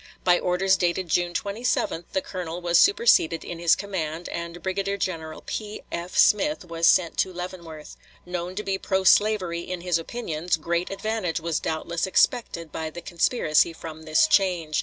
By orders dated June 27 the colonel was superseded in his command, and Brigadier General P.F. Smith was sent to Leavenworth. Known to be pro slavery in his opinions, great advantage was doubtless expected by the conspiracy from this change.